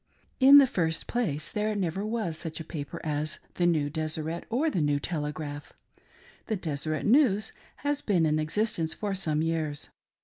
In the first place there never was such a paper as the New Descret or the New Telegraph. The Deseret News has been in existence for some years.